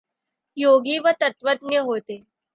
योगी व तत्त्वज्ञ होते.